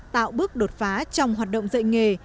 tạo bước đột phá trong học dạng nghề